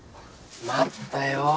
待ったよ。